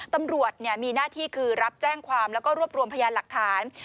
ตำรวจมีหน้าที่คือรับแจ้งความแล้วก็รวบรวมพยานหลักฐาน